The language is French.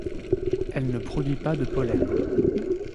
Elle ne produit pas de pollen.